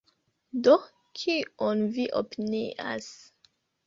Do kion vi opinias?